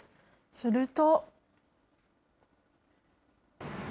すると。